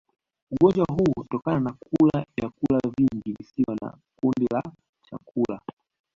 ugonjwa huu hutokana na kula vyakula vingi visivyokuwa na kundi la chakula